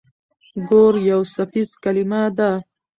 ګور يو څپيز کلمه ده.